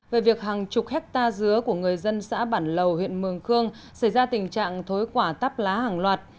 về việc hàng chục hectare dứa của người dân xã bản lầu huyện mường khương xảy ra tình trạng thối quả tắp lá hàng loạt